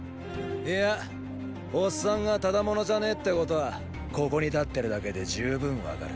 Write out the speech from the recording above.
いやオッサンがただ者じゃねェってことはここに立ってるだけで十分分かる。